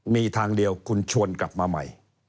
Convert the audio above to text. มีทางเดียวคุณชวนกลับมาใหม่